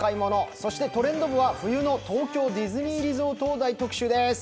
そして「トレンド部」は冬の東京ディズニーリゾートを大特集です。